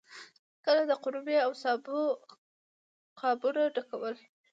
کله د قورمې او سابو قابونه ډکول.